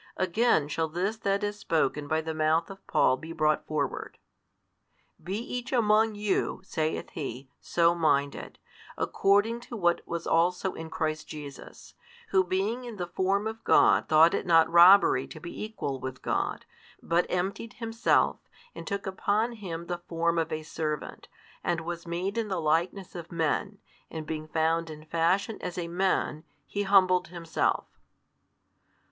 Again shall this that is spoken by the mouth of Paul be brought forward: Be each among you, saith he, so minded, according to what was also in Christ Jesus, Who being in the Form of God thought it not robbery to be equal with God, but emptied Himself, and took upon Him the Form of a servant, and was made in the likeness of men, and being found in fashion as a Man, He humbled Himself.